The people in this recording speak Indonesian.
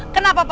kenapa pak rata